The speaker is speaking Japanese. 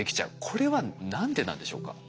これは何でなんでしょうか？